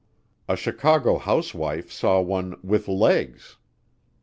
A Chicago housewife saw one "with legs."